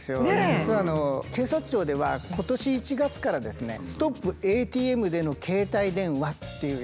実は警察庁では今年１月からですね「ストップ！ＡＴＭでの携帯電話」っていう